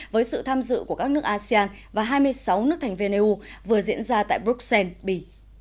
với sự tham dự của các nước asean và hai mươi sáu nước thành viên eu vừa diễn ra tại bruxelles bỉ